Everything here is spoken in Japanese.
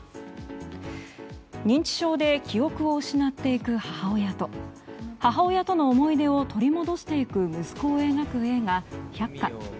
認知症で記憶を失っていく母親と母親との思い出を取り戻していく息子を描く映画「百花」。